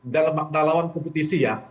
dalam makna lawan kompetisi ya